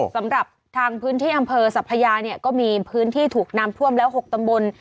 สำหรับทางพื้นที่อำเภอสัพยาเนี่ยก็มีพื้นที่ถูกน้ำท่วมแล้ว๖ตำบล